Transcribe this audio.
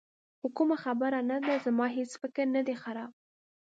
خو کومه خبره نه ده، زما هېڅ فکر نه دی خراب.